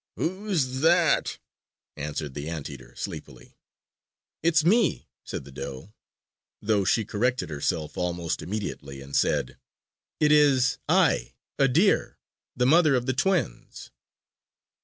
"Who's that?" answered the Anteater sleepily. "It's me!" said the doe; though she corrected herself almost immediately, and said: "It is I a deer, the mother of the twins!"